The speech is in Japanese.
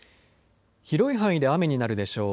広い範囲で雨になるでしょう。